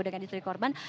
jangan istri korban